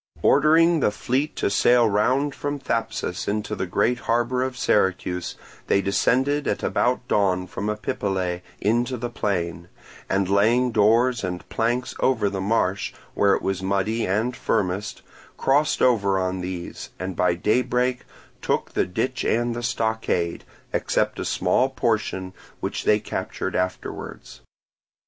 Ordering the fleet to sail round from Thapsus into the great harbour of Syracuse, they descended at about dawn from Epipolae into the plain, and laying doors and planks over the marsh, where it was muddy and firmest, crossed over on these, and by daybreak took the ditch and the stockade, except a small portion which they captured afterwards.